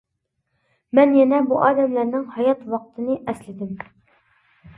مەن يەنە بۇ ئادەملەرنىڭ ھايات ۋاقتىنى ئەسلىدىم.